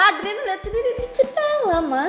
adrena liat sendiri dicetel lah ma